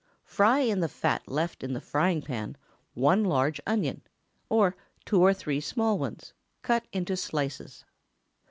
Fry in the fat left in the frying pan one large onion, or two or three small ones, cut into slices.